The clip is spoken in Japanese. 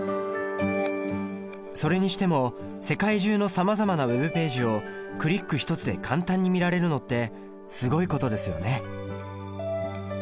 それにしても世界中のさまざまなＷｅｂページをクリック１つで簡単に見られるのってすごいことですよね。